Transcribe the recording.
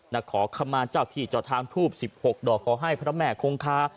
ขอขมาเจ้าที่เจ้าทางทูบ๑๖ดอกขอให้พระแม่คงคา